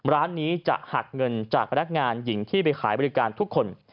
ร้านนี้จะหักเงินจากพนักงานหญิงที่ไปขายบริการทุกคน